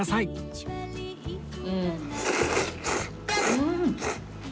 うん！